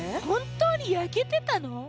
本当に焼けてたの？